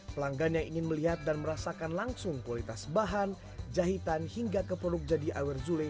pelanggan yang ingin melihat dan merasakan langsung kualitas bahan jahitan hingga ke produk jadi iwer zule